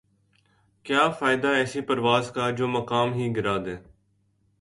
کیا فائدہ ایسی پرواز کا جومقام ہی گِرادے